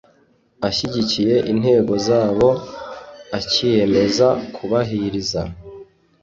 ashyigikiye intego zawo akiyemeza kubahiriza